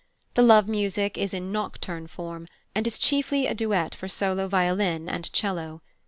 The love music is in nocturne form, and is chiefly a duet for solo violin and 'cello.